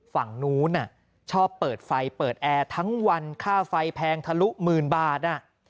ฝั่งนู้นชอบเปิดไฟเปิดแอร์ทั้งวันค่าไฟแพงทะลุหมื่นบาท